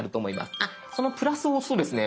そのプラスを押すとですね